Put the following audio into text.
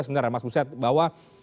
sebenarnya mas buset bahwa